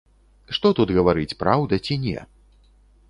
Што тут гаварыць, праўда ці не?